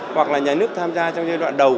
hoặc là nhà nước tham gia trong giai đoạn đầu